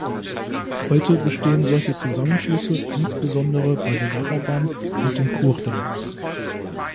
Heute bestehen solche Zusammenschlüsse insbesondere bei den Arabern und den Kurden.